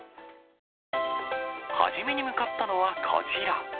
初めに向かったのはこちら。